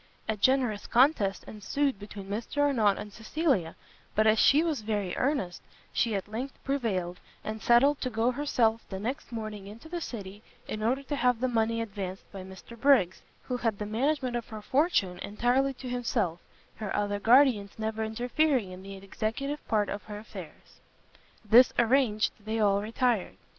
A generous contest ensued between Mr Arnott and Cecilia, but as she was very earnest, she at length prevailed, and settled to go herself the next morning into the city, in order to have the money advanced by Mr Briggs, who had the management of her fortune entirely to himself, her other guardians never interfering in the executive part of her affairs. This arranged, they all retired.